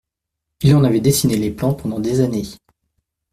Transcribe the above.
Il en avait dessiné les plans pendant des années.